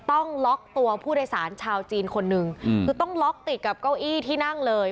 ต้องล็อกตัวผู้โดยสารชาวจีนคนหนึ่งคือต้องล็อกติดกับเก้าอี้ที่นั่งเลย